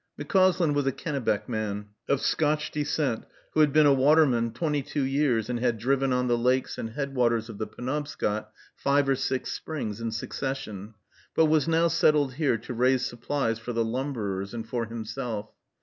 McCauslin was a Kennebec man, of Scotch descent, who had been a waterman twenty two years, and had driven on the lakes and headwaters of the Penobscot five or six springs in succession, but was now settled here to raise supplies for the lumberers and for himself.